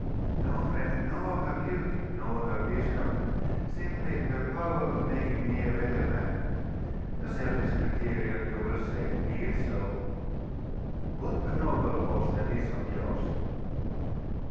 'No, friend; nor her beauty, nor her wisdom; simply her power of making me a better man. A selfish criterion, you will say. Be it so.... What a noble horse that is of yours!